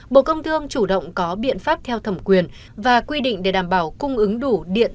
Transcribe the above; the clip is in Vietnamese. bộ công thương chủ động có biện pháp theo thẩm quyền và quy định để đảm bảo cung ứng đủ điện